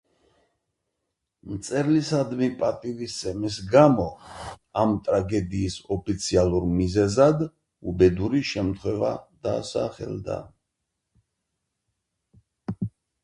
მწერლისადმი პატივისცემის გამო, ამ ტრაგედიის ოფიციალურ მიზეზად უბედური შემთხვევა დასახელდა.